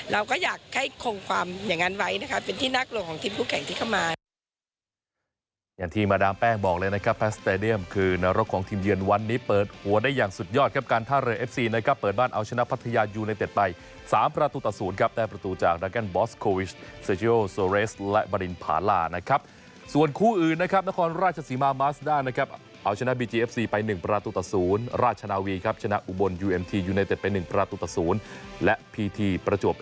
เราก็อยากให้คงความอย่างนั้นไว้นะคะเป็นที่น่ากลัวของทีมคู่แข่งที่เข้ามา